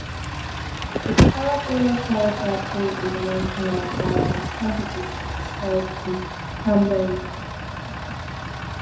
The Pablo Sarasate International Violin Competition is held in Pamplona.